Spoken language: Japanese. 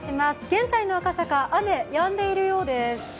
現在の赤坂、雨やんでいるようです。